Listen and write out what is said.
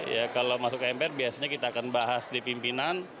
ya kalau masuk ke mpr biasanya kita akan bahas di pimpinan